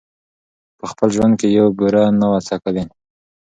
په خپل ژوند کي یې بوره نه وه څکلې